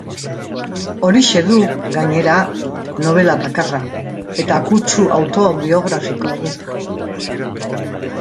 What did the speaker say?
Horixe du, gainera, nobela bakarra, eta kutsu autobiografikoa du.